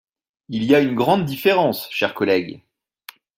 Il y a une grande différence, chers collègues.